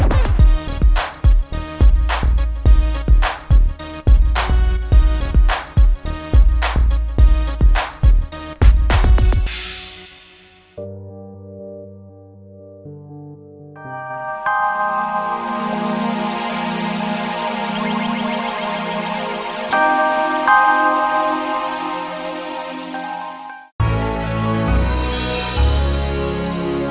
sam ini dulu